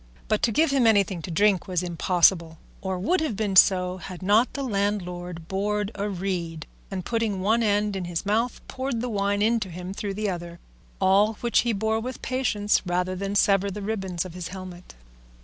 But to give him anything to drink was impossible, or would have been so had not the landlord bored a reed, and putting one end in his mouth poured the wine into him through the other; all which he bore with patience rather than sever the ribbons of his helmet.